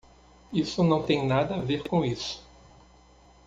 Isso não tem nada a ver com isso!